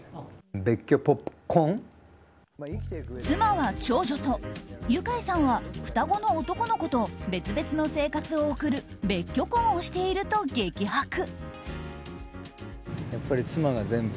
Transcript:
妻は長女とユカイさんは双子の男の子と別々の生活を送る別居婚をしていると激白。